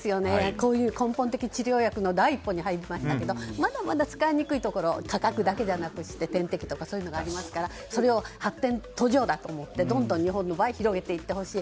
こういう根本治療薬の第一歩に入りましたがまだまだ使いにくいところ価格だけじゃなくて点滴とかそういうのがありますから発展途上だと思ってどんどん日本の場合は広げていってほしい。